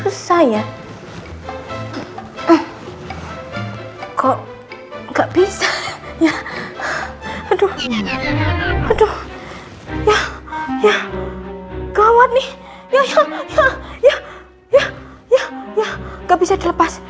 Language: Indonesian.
kok susah ya kok nggak bisa ya aduh aduh ya ya gawat nih ya ya ya ya ya ya nggak bisa dilepas